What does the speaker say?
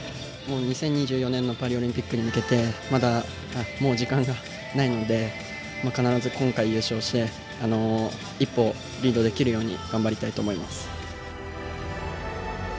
２０２４年のパリオリンピックに向けてもう時間がないので必ず今回、優勝して一歩リードできるように頑張りたいと思います。